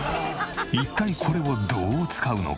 一体これをどう使うのか？